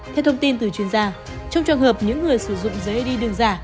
theo thông tin từ chuyên gia trong trường hợp những người sử dụng giấy đi đường giả